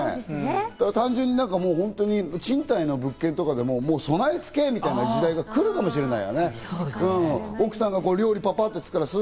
単純に賃貸の物件とかでも備え付けみたいな時代が来るかもしれない。